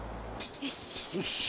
よし。